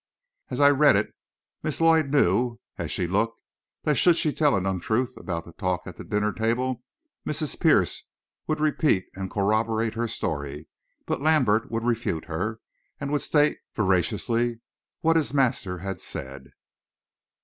As I read it, Miss Lloyd knew, as she looked, that should she tell an untruth about that talk at the dinner table, Mrs. Pierce would repeat and corroborate her story; but Lambert would refute her, and would state veraciously what his master had said.